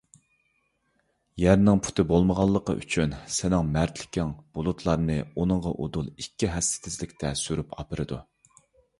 يەرنىڭ پۇتى بولمىغانلىقى ئۈچۈن سېنىڭ مەرتلىكىڭ بۇلۇتلارنى ئۇنىڭغا ئۇدۇل ئىككى ھەسسە تېزلىكتە سۈرۈپ ئاپىرىدۇ.